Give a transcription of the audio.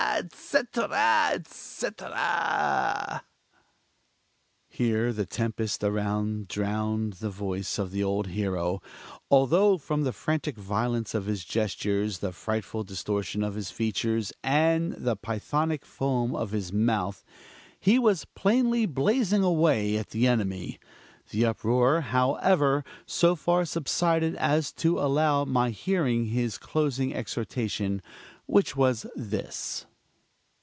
etc., etc. Here the tempest around drowned the voice of the old hero; although, from the frantic violence of his gestures, the frightful distortion of his features, and the Pythonic foam of his mouth, he was plainly blazing away at the enemy. The uproar, however, so far subsided as to allow my hearing his closing exhortation, which was this